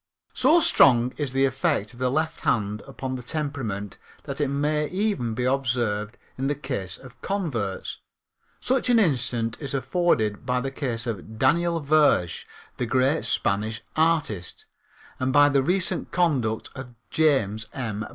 So strong is the effect of the left hand upon the temperament that it may even be observed in the case of converts. Such an instance is afforded by the case of Daniel Vierge, the great Spanish artist, and by the recent conduct of James M.